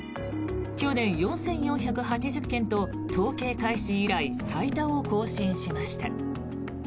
去年、４４８０件と統計開始以来最多を更新しました。